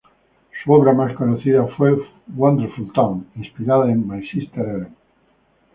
Su obra más conocida fue "Wonderful Town", inspirada en "My Sister Eileen".